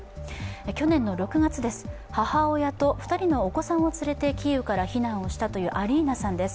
去年６月、母親と２人のお子さんを連れてキーウから避難をしたというアリーナさんです。